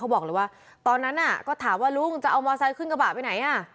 บอกเลยว่าตอนนั้นน่ะก็ถามว่าลุงจะเอามอไซค์ขึ้นกระบะไปไหนอ่ะ